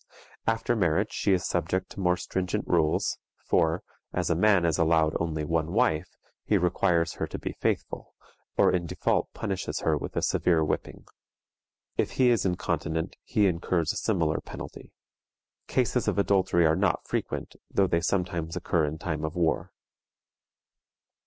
After marriage she is subject to more stringent rules, for, as a man is allowed only one wife, he requires her to be faithful, or in default punishes her with a severe whipping. If he is incontinent he incurs a similar penalty. Cases of adultery are not frequent, though they sometimes occur in time of war.